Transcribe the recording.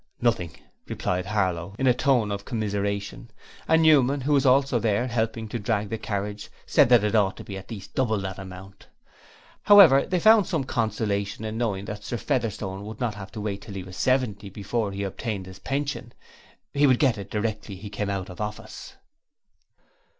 'Nothing,' replied Harlow, in a tone of commiseration, and Newman, who was also there, helping to drag the carriage, said that it ought to be at least double that amount. However, they found some consolation in knowing that Sir Featherstone would not have to wait till he was seventy before he obtained his pension; he would get it directly he came out of office.